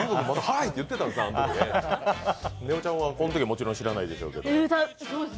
ねおちゃんとこのときもちろん知らないでしょうけど。